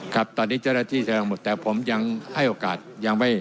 ครับตอนนี้เจ้าหน้าที่แสดงหมดแต่ผมยังให้โอกาสยังไม่